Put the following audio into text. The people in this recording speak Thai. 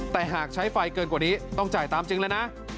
แต่หากใช้ไฟเกินกว่านี้ต้องจ่ายตามจริงแล้วนะ